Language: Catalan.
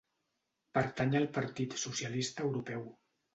Pertany al Partit Socialista Europeu.